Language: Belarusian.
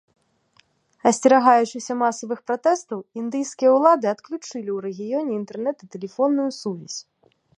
Асцерагаючыся масавых пратэстаў, індыйскія ўлады адключылі ў рэгіёне інтэрнэт і тэлефонную сувязь.